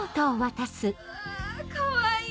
うわぁかわいい！